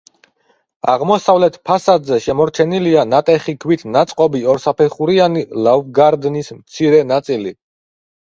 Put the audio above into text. აღმოსავლეთ ფასადზე შემორჩენილია ნატეხი ქვით ნაწყობი ორსაფეხურიანი ლავგარდნის მცირე ნაწილი.